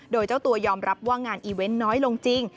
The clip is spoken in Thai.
โดยเจ้าตัวยอมรับว่างานอีเวนต์น้อยลงจริง